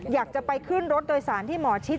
อยากจะไปขึ้นรถโดยสารที่หมอชิด